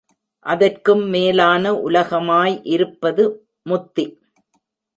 அதற்கும் மேலான உலகமாய் இருப்பது முத்தி.